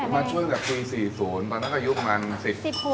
มาช่วยกับพี่สี่ศูนย์ตอนนั้นก็อายุประมาณสิบ